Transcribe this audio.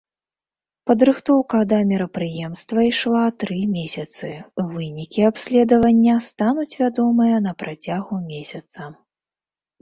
Падрыхтоўка да мерапрыемства ішла тры месяцы, вынікі абследавання стануць вядомыя на працягу месяца.